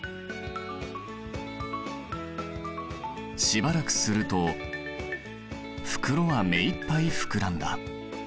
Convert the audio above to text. しばらくすると袋は目いっぱい膨らんだ。